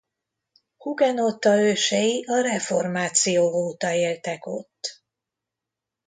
Hugenotta ősei a reformáció óta éltek ott.